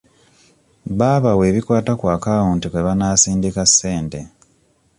Baabawa ebikwata ku akawuti kwe banaasindika ssente.